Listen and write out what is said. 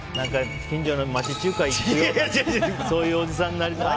近所の町中華行ってそういうおじさんになりたい。